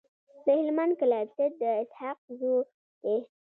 د هلمند کلابست د اسحق زو دی.